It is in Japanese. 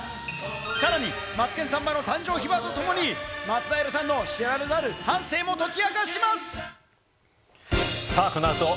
さらに『マツケンサンバ』の誕生秘話とともに松平さんの知られざ「キュレル」一気に真夏日。